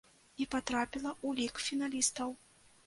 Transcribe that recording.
І патрапіла ў лік фіналістаў.